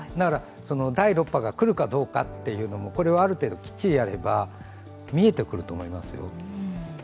第６波が来るかどうかもこれをある程度きっちりやれば、見えてくると思いますよ。